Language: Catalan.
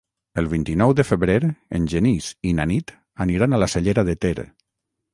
El vint-i-nou de febrer en Genís i na Nit aniran a la Cellera de Ter.